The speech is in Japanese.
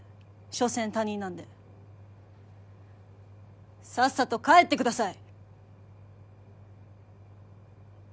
所詮他人なんでさっさと帰ってください